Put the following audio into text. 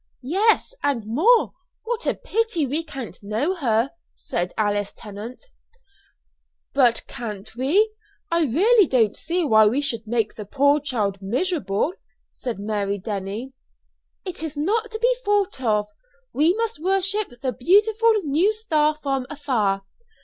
"Yes, and more. What a pity we can't know her!" said Alice Tennant. "But can't we? I really don't see why we should make the poor child miserable," said Mary Denny. "It is not to be thought of. We must worship the beautiful new star from afar.